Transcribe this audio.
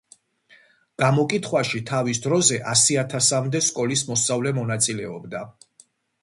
გამოკითხვაში თავის დროზე ასიათასამდე სკოლის მოსწავლე მონაწილეობდა.